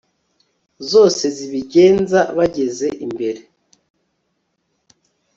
zose zibigenza bageze imbere